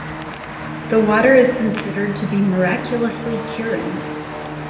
The water is considered to be miraculously curing.